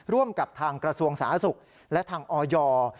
ร่วมกับทางกระทรวงสาธารณสุขและทางออย